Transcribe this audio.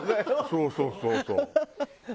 そうそうそうそう。